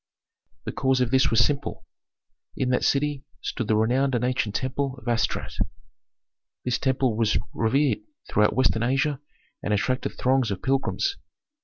The cause of this was simple. In that city stood the renowned and ancient temple of Astarte. This temple was revered throughout Western Asia and attracted throngs of pilgrims.